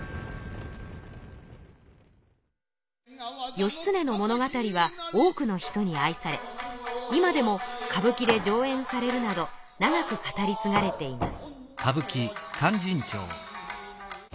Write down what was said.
義経の物語は多くの人に愛され今でも歌舞伎で上演されるなど長く語りつがれています。